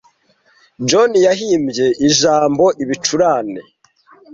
John yahimbye ijambo ibicurane